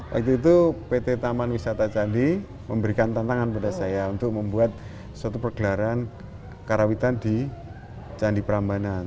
waktu itu pt taman wisata candi memberikan tantangan pada saya untuk membuat suatu pergelaran karawitan di candi prambanan